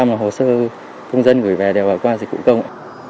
một trăm linh là hồ sơ công dân gửi về đều gọi qua dịch vụ công